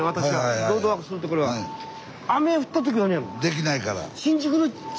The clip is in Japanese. できないから。